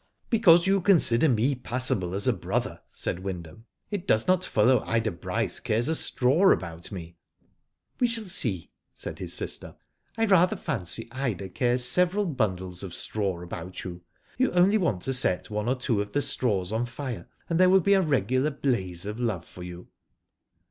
Because you consider me passable as a brother," said Wyndham, "it does not follow Ida Bryce cares a straw about me." " We shall see," saicj his sister. " I rather fancy Ida cares several bundles of straws about you. You only want to set one or two of the straws on fire, and there will be a regular blaze of love for you."